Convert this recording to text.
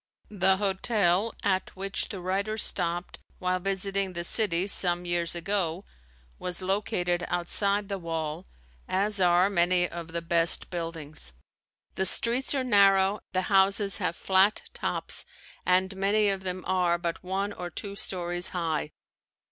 The hotel at which the writer stopped while visiting the city some years ago, was located outside the wall, as are many of the best buildings. The streets are narrow, the houses have flat tops and many of them are but one or two stories high.